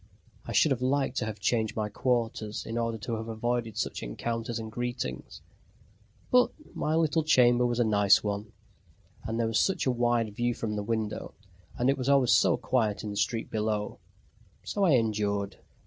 I should have liked to have changed my quarters in order to have avoided such encounters and greetings; but my little chamber was a nice one, and there was such a wide view from the window, and it was always so quiet in the street below so I endured.